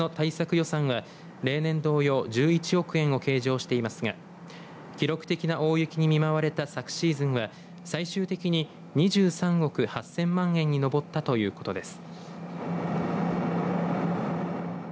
予算は例年同様１１億円を計上していますが記録的な大雪に見舞われた昨シーズンは最終的に２３億８０００万円に上ったということです。